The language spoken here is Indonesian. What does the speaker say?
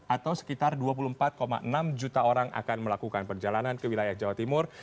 atau sekitar dua puluh empat enam juta orang akan melakukan perjalanan ke wilayah jawa timur